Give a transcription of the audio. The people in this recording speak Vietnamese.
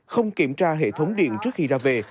không kiểm tra hệ thống điện trước khi ra về